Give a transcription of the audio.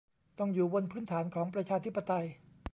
ต้องอยู่บนพื้นฐานของประชาธิปไตย